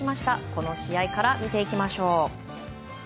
この試合から見ていきましょう。